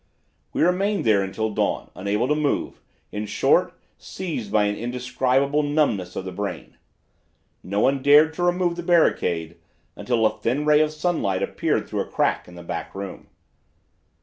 "We remained there until dawn, unable to move, in short, seized by an indescribable numbness of the brain. "No one dared to remove the barricade until a thin ray of sunlight appeared through a crack in the back room.